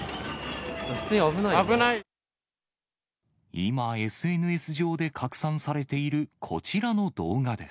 今、ＳＮＳ上で拡散されているこちらの動画です。